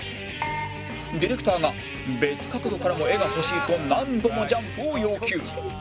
ディレクターが別角度からも画が欲しいと何度もジャンプを要求